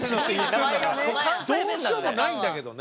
どうしようもないんだけどね。